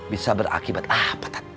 bisa berakibat apa kak